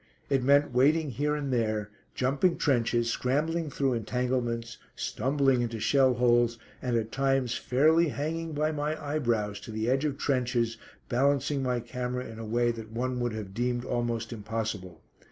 It meant waiting here and there, jumping trenches, scrambling through entanglements, stumbling into shell holes, and at times fairly hanging by my eyebrows to the edge of trenches, balancing my camera in a way that one would have deemed almost impossible.